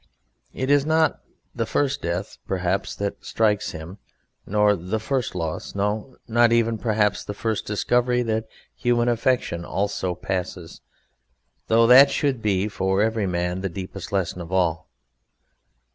It is not the first death, perhaps, that strikes him, nor the first loss no, not even, perhaps, the first discovery that human affection also passes (though that should be for every man the deepest lesson of all).